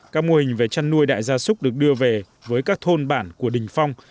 các mô hình về chăn nuôi đại gia súc được đưa về với các thôn bản của đình phong